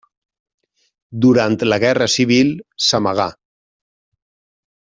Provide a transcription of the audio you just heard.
Durant la Guerra Civil, s'amagà.